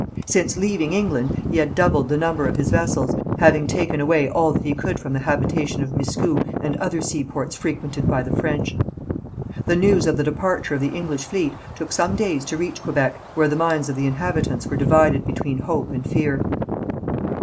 Since leaving England he had doubled the number of his vessels, having taken away all that he could from the habitation of Miscou and other seaports frequented by the French. The news of the departure of the English fleet took some days to reach Quebec, where the minds of the inhabitants were divided between hope and fear.